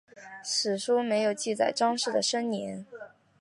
史书没有记载张氏的生年。